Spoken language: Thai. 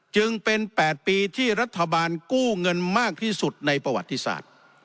จึงเป็น๘ปีที่รัฐบาลกู้เงินมากที่สุดในประวัติศาสตร์